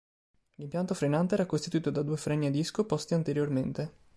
L'impianto frenante era costituito da due freni a disco posti anteriormente.